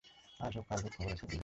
আজ হোক কাল হোক খবর একটা দেবেই।